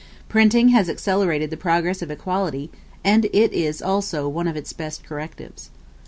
Printing has accelerated the progress of equality, and it is also one of its best correctives.